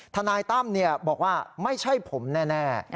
ทนายตั้มบอกว่าไม่ใช่ผมแน่